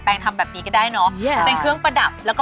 เยี่ยมเรียบร้อย